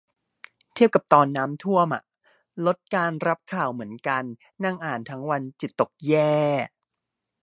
เทียบกับตอนน้ำท่วมอะ ลดการรับข่าวเหมือนกัน นั่งอ่านทั้งวันจิตตกแย่